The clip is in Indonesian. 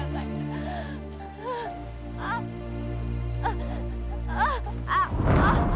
ayanda apa titrusnya